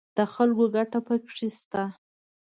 د خلکو ګټه پکې شته